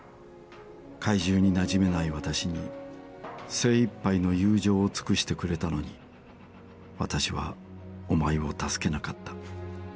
怪獣になじめない私に精いっぱいの友情を尽くしてくれたのに私はお前を助けなかった。